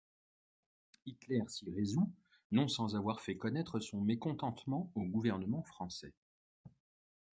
Hitler s'y résout non sans avoir fait connaître son mécontentement au gouvernement français.